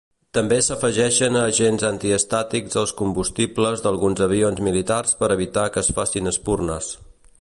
També s'afegeixen agents antiestàtics als combustibles d'alguns avions militars per evitar que es facin espurnes.